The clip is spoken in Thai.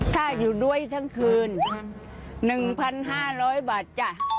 ถ้าอยู่ด้วยทั้งคืน๑๕๐๐บาทจ้ะ